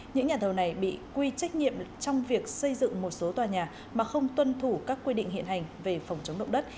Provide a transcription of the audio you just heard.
những nhà thầu này bị quy trách nhiệm trong việc xây dựng một số tòa nhà mà không tuân thủ các quy định hiện hành về phòng chống động đất